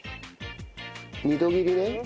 ２度切りね。